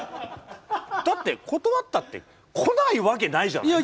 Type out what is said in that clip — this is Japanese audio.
だって断ったって来ないわけないじゃない彼らは。